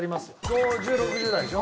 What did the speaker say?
５０６０代でしょ？